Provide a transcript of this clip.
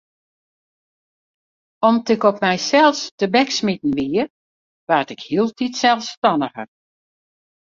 Om't ik op mysels tebeksmiten wie, waard ik hieltyd selsstanniger.